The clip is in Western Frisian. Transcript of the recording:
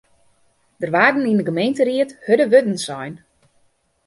Der waarden yn de gemeenteried hurde wurden sein.